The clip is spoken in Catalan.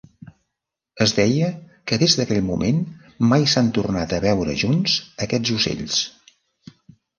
Es deia que des d'aquell moment mai s'han tornat a veure junts aquests ocells.